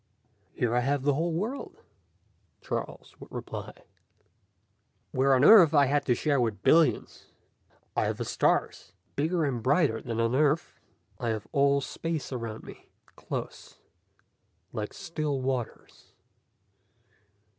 "Here I have a whole world," Charles would reply, "where on Earth I had to share with billions. I have the stars, bigger and brighter than on Earth. I have all space around me, close, like still waters.